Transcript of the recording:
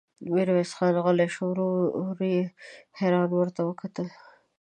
ميرويس خان غلی شو، ورور يې په حيرانۍ ورته کتل.